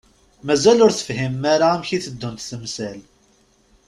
Mazal ur tefhimem ara amek i teddunt temsal.